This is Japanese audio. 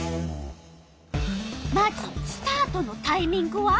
まずスタートのタイミングは？